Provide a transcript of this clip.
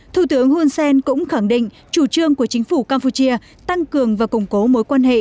thủ tướng hun sen cũng khẳng định chủ trương của chính phủ campuchia tăng cường và củng cố mối quan hệ